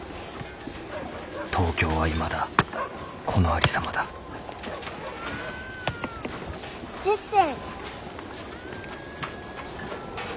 東京はいまだこのありさまだ１０銭。